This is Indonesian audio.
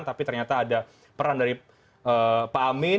tapi ternyata ada peran dari pak amin